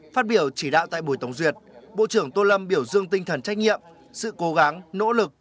phát biểu chỉ đạo tại buổi tổng duyệt bộ trưởng tô lâm biểu dương tinh thần trách nhiệm sự cố gắng nỗ lực